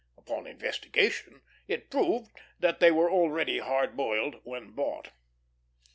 Upon investigation it proved that they were already hard boiled when bought.